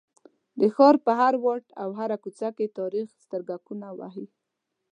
د ښار په هر واټ او هره کوڅه کې تاریخ سترګکونه وهي.